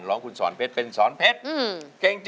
ของคุณสอนเพชรเป็นสอนเพชร